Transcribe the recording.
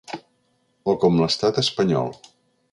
O com l’estat espanyol.